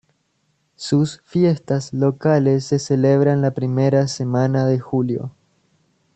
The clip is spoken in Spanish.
Sus fiestas locales se celebran la primera semana de julio.